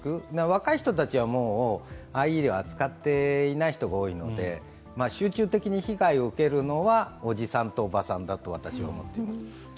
若い人たちはもう、ＩＥでは扱っていない人が多いので集中的に被害を受けるのは、おじさんとおばさんだと私は思っています。